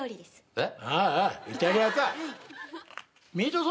えっ？